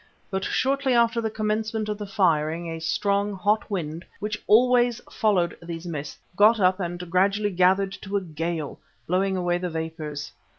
But shortly after the commencement of the firing a strong, hot wind, which always followed these mists, got up and gradually gathered to a gale, blowing away the vapours.